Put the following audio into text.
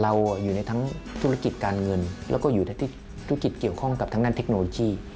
เราอยู่ในทั้งธุรกิจการเงินแล้วก็อยู่ที่ธุรกิจเกี่ยวข้องกับทั้งด้านเทคโนโลยี